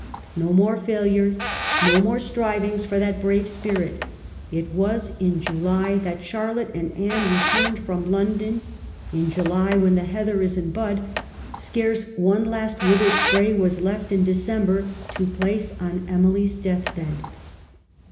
No more failures, no more striv ings, for that brave spirit. It was in July that Charlotte and Anne returned from London, in July when the heather is in bud ; scarce one last withered spray was left in December to place on Emily's deathbed.